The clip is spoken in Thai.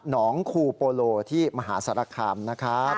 น้องคูโปโลที่มหาสารคามนะครับ